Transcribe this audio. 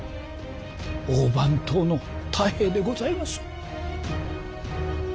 大番頭の太兵衛でございます。